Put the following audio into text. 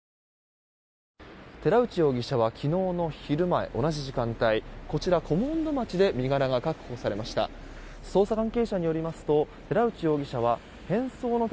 寺内容疑者は昨日の昼前同じ時間帯、こちらの古門戸町で身柄が確保されました。